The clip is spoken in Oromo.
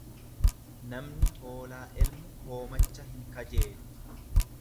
Namni hoolaa elmu hoomacha hin kajeelu.